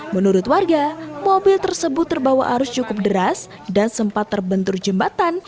menurut warga mobil tersebut terbawa arus cukup deras dan sempat terbentur jembatan